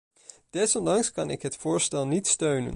Desondanks kan ik het voorstel niet steunen.